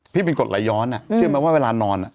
พี่เป็นกดไหลย้อนเชื่อไหมว่าเวลานอน